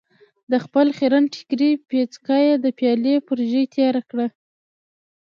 د خپل خيرن ټکري پيڅکه يې د پيالې پر ژۍ تېره کړه.